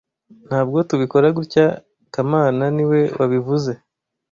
Ntabwo tubikora gutya kamana niwe wabivuze